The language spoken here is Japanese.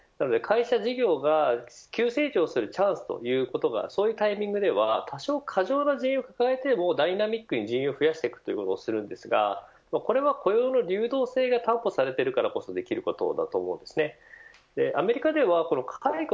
なので、会社事業が急成長するチャンスということがそういうタイミングでは多少過剰な人員を抱えてもダイナミックに人員を増やしていくことをするんですがこれは雇用の流動性が担保されているからこそできることだと思うんです。